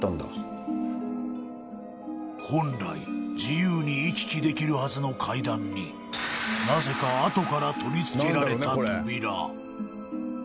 本来自由に行き来できるはずの階段になぜかあとから取り付けられた扉